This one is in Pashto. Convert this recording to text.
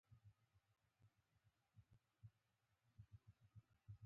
انجیر په باغ کې تیار دی.